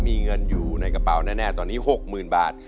มีเงินอยู่ในกระเป๋าแน่ตอนนี้๖๐๐๐บาท